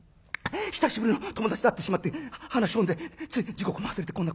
久しぶりの友達と会ってしまって話し込んでつい時刻も忘れてこんな。